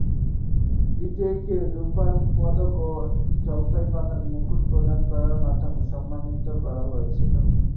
বিজয়ীকে রূপার পদক ও জলপাই পাতার মুকুট প্রদান করার মাধ্যমে সম্মানিত করা হয়েছিল।